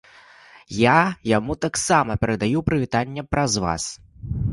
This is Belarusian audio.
Я яму таксама перадаю прывітанне праз вас.